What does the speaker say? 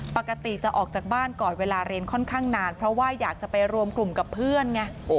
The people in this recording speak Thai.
ปกติจะออกจากบ้านก่อนเวลาเรียนค่อนข้างนานเพราะว่าอยากจะไปรวมกลุ่มกับเพื่อนไง